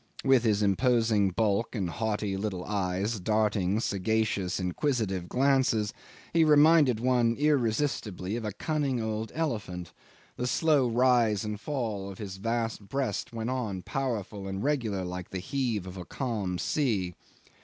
... With his imposing bulk and haughty little eyes darting sagacious, inquisitive glances, he reminded one irresistibly of a cunning old elephant; the slow rise and fall of his vast breast went on powerful and regular, like the heave of a calm sea.